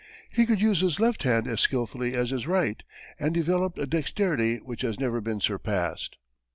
He could use his left hand as skillfully as his right, and developed a dexterity which has never been surpassed.